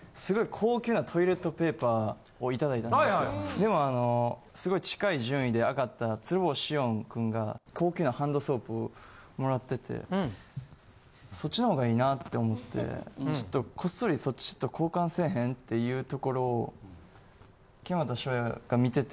でもあのすごい近い順位であがった鶴房汐恩君が高級なハンドソープ貰っててそっちの方がいいなって思ってちょっとこっそりそっちと交換せえへんって言うところを木全翔也が見てて。